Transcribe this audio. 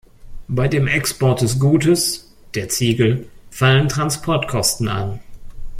Bei dem Export des Gutes, der Ziegel, fallen Transportkosten an.